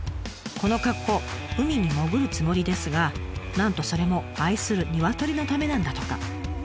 この格好海に潜るつもりですがなんとそれも愛するニワトリのためなんだとか。